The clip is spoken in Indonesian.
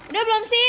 udah belum sih